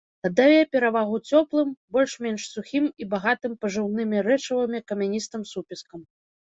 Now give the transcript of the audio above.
Аддае перавагу цёплым, больш-менш сухім і багатым пажыўнымі рэчывамі камяністым супескам.